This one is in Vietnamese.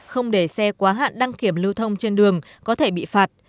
không để xe quá hạn đăng kiểm lưu thông trên đường có thể bị phạt